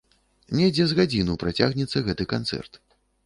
Недзе з гадзіну працягнецца гэты канцэрт.